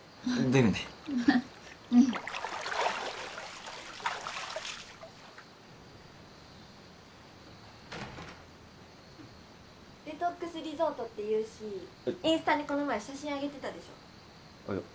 デトックスリゾートっていうしインスタにこの前写真上げてたでしょあっ